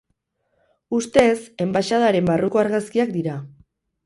Ustez, enbaxadaren barruko argazkiak dira.